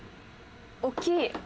大きい！